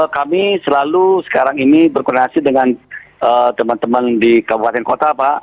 kami selalu sekarang ini berkoordinasi dengan teman teman di kabupaten kota pak